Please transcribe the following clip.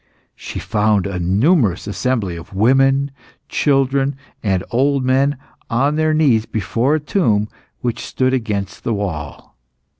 She found a numerous assembly of women, children, and old men, on their knees before a tomb, which stood against the wall.